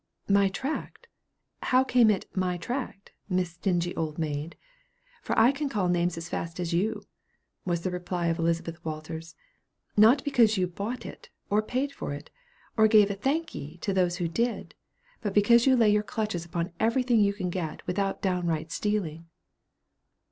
"'My tract' how came it 'my tract,' Miss Stingy Oldmaid? for I can call names as fast as you," was the reply of Elizabeth Walters. "Not because you bought it, or paid for it, or gave a thank'ee to those who did; but because you lay your clutches upon every thing you can get without downright stealing."